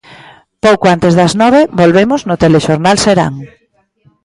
Pouco antes das nove volvemos no Telexornal Serán.